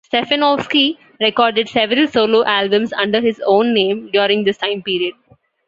Stefanovski recorded several solo albums under his own name during this time period.